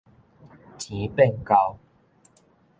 錢變厚